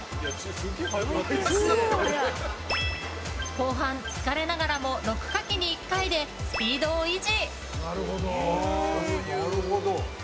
後半疲れながらも６かきに１回でスピードを維持。